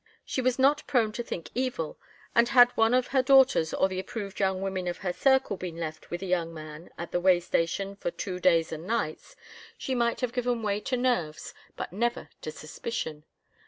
She was not prone to think evil, and had one of her daughters or the approved young women of her circle been left with a young man at a way station for two days and nights, she might have given way to nerves but never to suspicion.